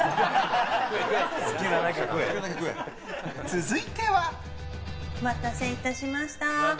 続いては。お待たせいたしました。